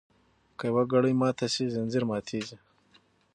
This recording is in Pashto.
که یوه کړۍ ماته شي ځنځیر ماتیږي.